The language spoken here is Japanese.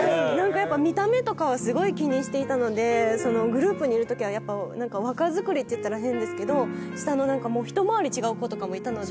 見た目とかはすごい気にしていたのでグループにいる時は若作りって言ったら変ですけど下の一回り違う子とかもいたので。